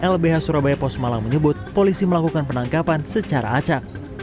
lbh surabaya pos malang menyebut polisi melakukan penangkapan secara acak